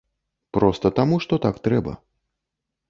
Проста таму што так трэба.